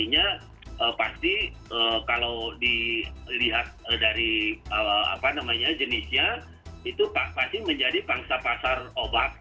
artinya pasti kalau dilihat dari jenisnya itu pasti menjadi pangsa pasar obat